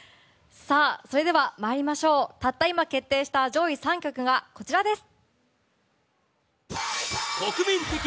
それでは参りましょうたった今決定した上位３曲がこちらです！